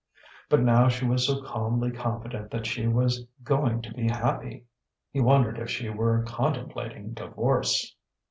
But now she was so calmly confident that she was "going to be happy"! He wondered if she were contemplating divorce....